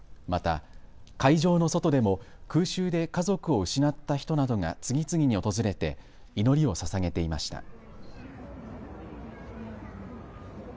また、会場の外でも空襲で家族を失った人などが次々に訪れて祈りをささげていました。